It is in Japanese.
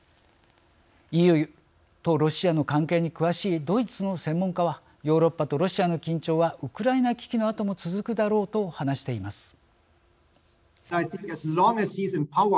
ＥＵとロシア関係に詳しいドイツの専門家はヨーロッパとロシアの緊張はウクライナ危機のあとも続くだろうと話しています。